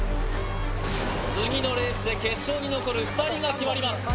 次のレースで決勝に残る２人が決まります